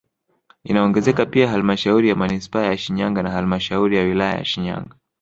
Inaongezeka pia halmashauri ya manispaa ya Shinyanga na halmasdhauri ya wilaya ya Shinyanga